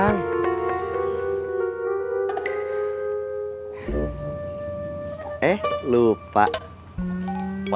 iya gak perlu lupa ya